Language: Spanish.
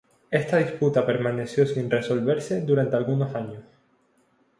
Esta disputa permaneció sin resolverse durante algunos años.